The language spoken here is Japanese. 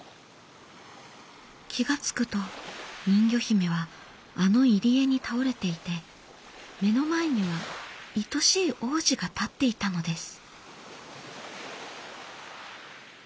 気が付くと人魚姫はあの入り江に倒れていて目の前にはいとしい王子が立っていたのです。